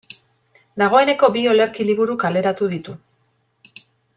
Dagoeneko bi olerki liburu kaleratu ditu.